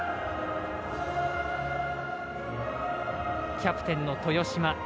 キャプテンの豊島。